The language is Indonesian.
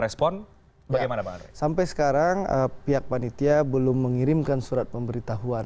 sampai sekarang pihak panitia belum mengirimkan surat pemberitahuan